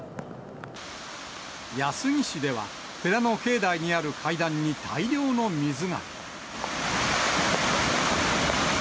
安来市では、寺の境内にある階段に大量の水が。